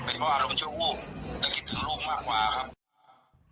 เป็นเพราะอารมณ์ชั่ววูบและคิดถึงลูกมากกว่าครับ